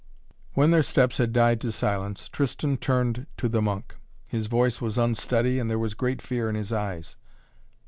When their steps had died to silence Tristan turned to the monk. His voice was unsteady and there was a great fear in his eyes.